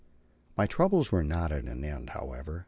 My troubles were not at an end, however.